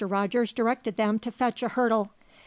Rogers directed them to fetch a hurdle.